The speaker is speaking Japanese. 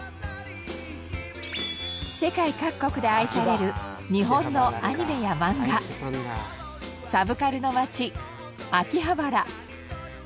世界各国で愛される日本のアニメや漫画サブカルの街秋葉原。